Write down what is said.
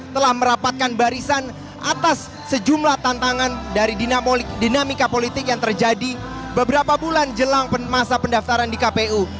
telah merapatkan barisan atas sejumlah tantangan dari dinamika politik yang terjadi beberapa bulan jelang masa pendaftaran di kpu